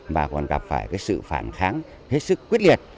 mà còn gặp phải cái sự phản kháng hết sức quyết liệt